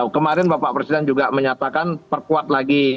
kemarin bapak presiden juga menyatakan perkuat lagi